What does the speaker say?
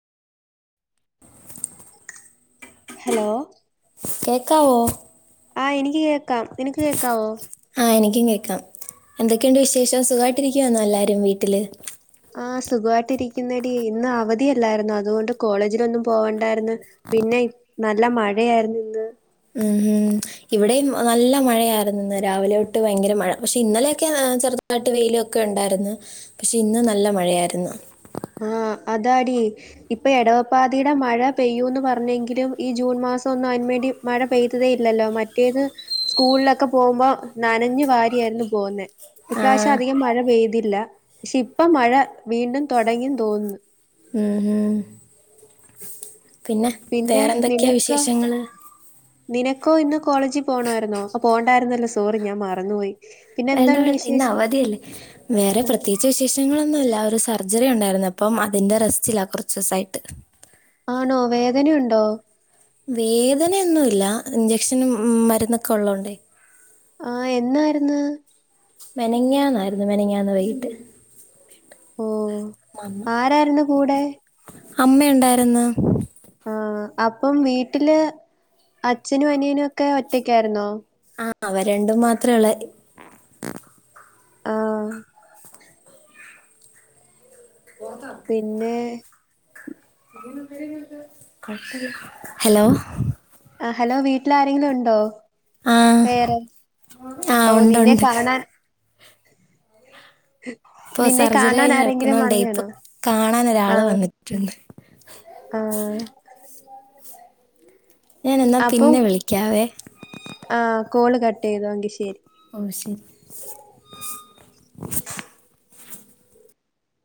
Hello ക്കാവോ ആഎനിക്ക് കേക്കാം നിനക്ക് കേക്കാവോ. ആ എനിക്കും കേക്കാം എന്തൊക്കെയുണ്ട് വിശേഷം സുഖമായിട്ടിരിക്കുവന്നോ എല്ലാരും വീട്ടില്. ആ് സുഖമായിട്ട്ിരിക്കുന്നടി ഇന്ന് അവധിയല്ലായിരുന്നു അതുകൊണ്ട് കോളേജിലൊന്നും പോവണ്ടായിരുന്നു പിന്നെ. നല്ല മഴയായിരുന്നു ഇന്ന്. ഉം ഉം ഇവിടെയും നല്ല മഴയായിരുന്നു ഇന്ന് രാവിലെ തൊട്ട് ഭയങ്കര മഴ പക്ഷെ ഇന്നലെയൊക്കെ ചെറുതായിട്ട് വെയിലൊക്കെ.. ഉണ്ടായിരുന്നു പക്ഷെ ഇന്ന് നല്ല മഴയായിരുന്നു. ആഹ് അതാടി ഇപ്പൊ എടവപ്പാതയുടെ മഴ പെയ്യൂന്ന് പറഞ്ഞെങ്കിലും ഈ ജൂൺ മാസം ഒന്ന് അ.. മഴ പെയ്തതേ ഇല്ലല്ലോ മറ്റേത്. സ്കൂളിലൊക്കെ പോകുമ്പോ നനഞ്ഞു വാരിയായിരുന്നു പോകുന്നേ ആ ഇപ്രാവശ്യം അധികം മഴ പെയ്തില്ല. പക്ഷെ ഇപ്പ മഴ വീണ്ടും തുടങ്ങിും തോന്നുന്നു. ഉം ഉം. പിന്നെ പിന്നെ വേറെ എന്തൊക്കെയാ നിനക്കോ വിശേഷങ്ങള്. നിനക്കോ ഇന്ന് കോളേജിൽ പോകണമായിുന്നോ അപ്പൊ പോകണ്ടായിരുന്നല്ലോ സോറി ഞാൻ മറന്നുപോയി. പിന്നെ വേണ്ട എന്തുണ്ട് വേണ്ട ഇന്നേ വിശേഷം അവധിയല്ലേ വേറെ ആ, പ്രത്യേകിച്ചു വിശേഷങ്ങളൊന്നുമല്ല ഒരു സർജറി ഉണ്ടായിരുന്നു. എന്നപ്പം അതി്റെ റെസ്റ്റില്ല കുറച്ച് ദിവസായിട്ട്. ആണോ വേദനുണ്ടോ. വേദനൊന്നുമല്ല ഇഞ്ചക്ഷനും മരുന്നൊക്കെ ഉള്ളതോണ്ടേ. ആഎന്നായിരുന്ന്. മെനങ്ങാന്നായിരുന്നു മെനങ്ങാന്ന വൈകിട്ട്. ഓ ആരരുന്നു കൂടെ. അമ്മ ഉണ്ടാരു ന്ന് ആ അപ്പം വീട്ടില് അച്ഛനും അനിയനും ഒക്കെ ഒറ്റക്കായിരുന്നോ. ആഅവ രണ്ടും മാത്രേള്ള. ആ പിന്നെ ഹലോ ആ ഹലോ വീട്ടിൽാരരെങ്കിലും ഉണ്ടോ. ആ വേറെ ആ ഓ ഉണ്ട് നിന്നെ ഉണ്ട് കാണാൻ.. ഇപ്പോൾ നിന്നെ സർജറി കാണാൻ കഴിഞ്ഞ് ആരെങ്കിലും കിടക്കുന്നോണ്ടേ ഇപ്പൊ വന്നേണോ കാണാൻ ഒരാൾ ആഹ.. വന്നിട്ടുണ്ട് ആ ഞാൻ അപ്പം ന്നാപിന്നെ വിളിക്കാവേ. ആ കോള് കട്ട് ചെയ്തോെങ്കിൽ ശരി. ഓ ശരി